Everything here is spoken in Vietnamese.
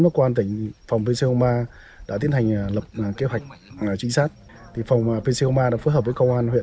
hội phòng pcoma đã tiến hành lập kế hoạch trinh sát thì phòng pcoma đã phối hợp với công an huyện